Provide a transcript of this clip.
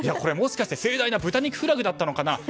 もしかして盛大な豚肉フラグだったのかな